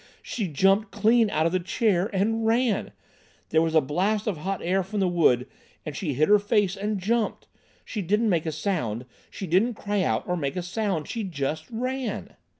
she jumped clean out of the chair—and ran! There was a blast of hot air from the wood, and she hid her face and jumped. She didn't make a sound—she didn't cry out, or make a sound. She just ran."